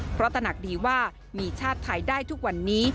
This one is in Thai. เพราะตระหนักดีว่ามีชาติไทยได้ทุกวันนี้